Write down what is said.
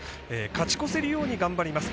勝ち越せるように頑張ります。